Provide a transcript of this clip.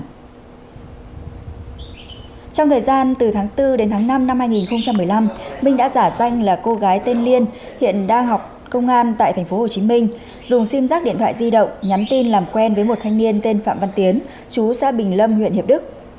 trong thời gian từ tháng bốn đến tháng năm năm hai nghìn một mươi năm minh đã giả danh là cô gái tên liên hiện đang học công an tại tp hcm dùng sim rác điện thoại di động nhắn tin làm quen với một thanh niên tên phạm văn tiến chú gia bình lâm huyện hiệp đức